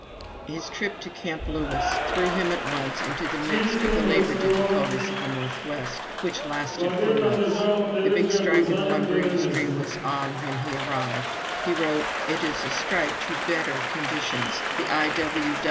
His trip to Camp Lewis threw him at once into the midst of the lumber difficulties of the Northwest, which lasted for months. The big strike in the lumber industry was on when he arrived. He wrote: "It is a strike to better conditions. The I.